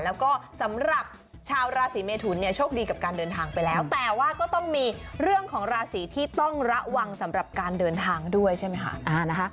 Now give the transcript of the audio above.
แล้วก็สำหรับชาวราศีเมทุนเนี่ยโชคดีกับการเดินทางไปแล้วแต่ว่าก็ต้องมีเรื่องของราศีที่ต้องระวังสำหรับการเดินทางด้วยใช่ไหมคะ